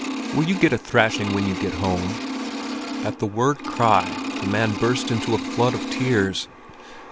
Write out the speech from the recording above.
Will you get a thrashing when you get home?" At the word "cry," the man burst into a flood of tears.